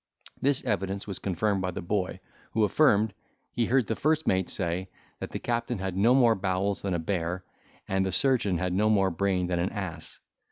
This evidence was confirmed by the boy, who affirmed, he heard the first mate say, that the captain had no more bowels than a bear, and the surgeon had no more brain than an ass.